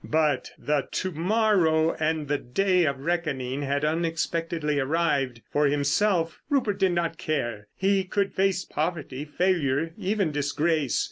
But the to morrow and the day of reckoning had unexpectedly arrived. For himself Rupert did not care. He could face poverty, failure, even disgrace.